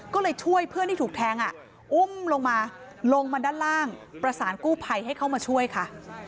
ก็เลยช่วยเพื่อนที่ถูกแทงอุ้มลงมาลงมาด้านล่างประสานกู้ภัยให้เข้ามาช่วยค่ะ